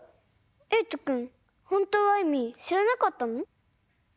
えいとくんほんとうはいみしらなかったの？